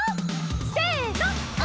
せの。